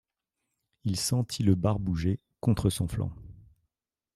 Il sentit le bar bouger, contre son flanc.